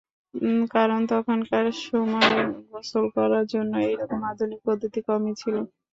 কারণ তখনকার সময়ে গোসল করার জন্য এইরকম আধুনিক পদ্ধতি কমই ছিল।